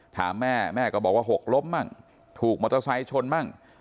ถามแม่แม่ก็บอกว่าหกล้มมั่งถูกมอเตอร์ไซค์ชนมั่ง